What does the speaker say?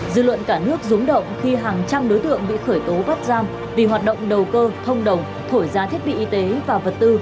dư luận cả nước rúng động khi hàng trăm đối tượng bị khởi tố bắt giam vì hoạt động đầu cơ thông đồng thổi giá thiết bị y tế và vật tư